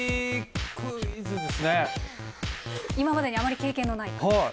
今までにあまり経験のない？